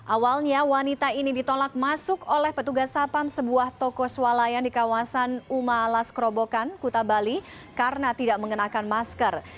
awalnya wanita ini ditolak masuk oleh petugas sapam sebuah toko swalayan di kawasan uma alas kerobokan kuta bali karena tidak mengenakan masker